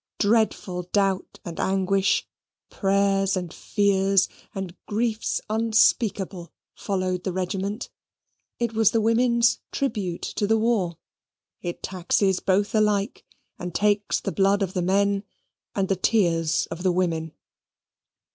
Dreadful doubt and anguish prayers and fears and griefs unspeakable followed the regiment. It was the women's tribute to the war. It taxes both alike, and takes the blood of the men, and the tears of the women.